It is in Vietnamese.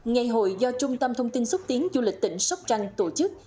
ngày hội do trung tâm thông tin xuất tiến du lịch tỉnh sóc răng tổ chức